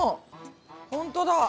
ほんとだ。